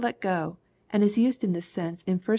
let go, and is used in this sense in 1 Tbess.